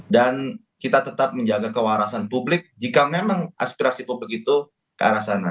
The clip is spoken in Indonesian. dan kita tetap menjaga kewarasan publik jika memang aspirasi publik itu ke arah sana